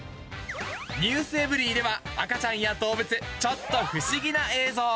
ｎｅｗｓｅｖｅｒｙ．では、赤ちゃんや動物、ちょっと不思議な映像。